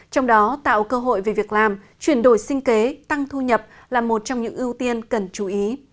trong đó tạo cơ hội về việc làm chuyển đổi sinh kế tăng thu nhập là một trong những ưu tiên cần chú ý